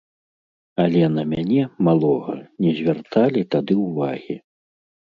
Але на мяне, малога, не звярталі тады ўвагі.